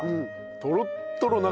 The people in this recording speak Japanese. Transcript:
とろっとろ中。